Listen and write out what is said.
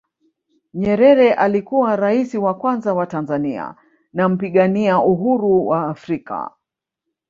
nyerere alikuwa raisi wa kwanza wa tanzania na mpigania Uhuru wa africa